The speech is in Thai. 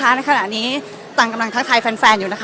สวัสดีครับขออนุญาตถ้าใครถึงแฟนทีลักษณ์ที่เกิดอยู่แล้วค่ะ